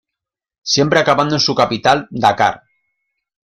Siempre acabando en su capital, Dakar.